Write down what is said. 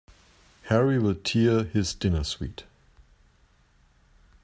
Harry'll tear his dinner suit.